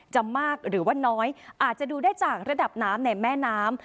มากหรือว่าน้อยอาจจะดูได้จากระดับน้ำในแม่น้ำ